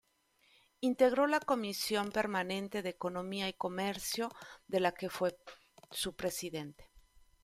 Integró la Comisión Permanente de Economía y Comercio, de la que fue su presidente.